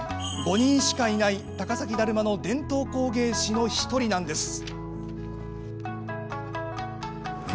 ５人しかいない高崎だるまの伝統工芸士の１人なんです。